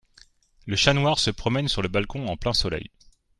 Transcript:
Le chat noir se promène sur le balcon en plein soleil